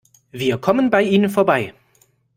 Wir kommen bei ihnen vorbei.